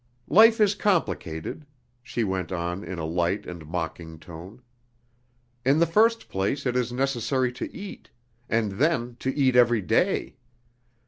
"Life is complicated," she went on in a light and mocking tone. "In the first place it is necessary to eat, and then to eat every day.